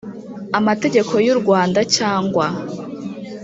amategeko y u Rwanda cyangwa